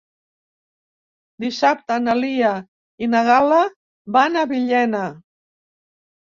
Dissabte na Lia i na Gal·la van a Villena.